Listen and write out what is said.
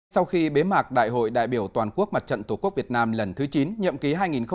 sau khi bế mạc đại hội đại biểu toàn quốc mặt trận tổ quốc việt nam lần thứ chín nhậm ký hai nghìn một mươi chín hai nghìn hai mươi bốn